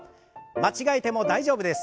間違えても大丈夫です。